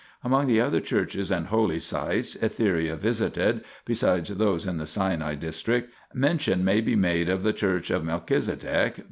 Among the other churches and holy sites Etheria visited (besides those in the Sinai district) mention may be made of the Church of Melchizedek (p.